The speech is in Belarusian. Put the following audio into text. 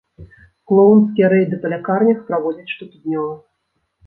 Клоўнскія рэйды па лякарнях праводзяць штотыднёва.